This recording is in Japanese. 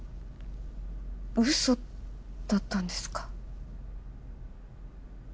ウソだったんですか？